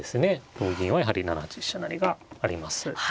同銀はやはり７八飛車成があります。